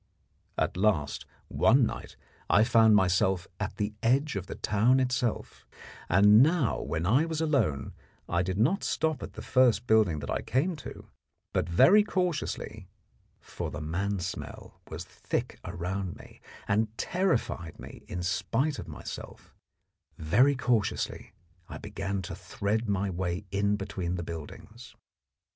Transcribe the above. At last, one night, I found myself at the edge of the town itself, and now when I was alone I did not stop at the first building that I came to, but very cautiously for the man smell was thick around me, and terrified me in spite of myself very cautiously I began to thread my way in between the buildings.